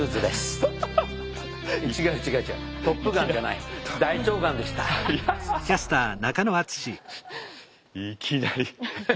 いきなり。